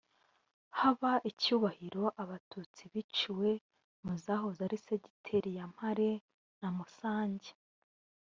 baha icyubahiro Abatutsi biciwe mu zahoze ari Segiteri ya Mpare na Musange